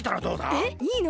えっいいの！？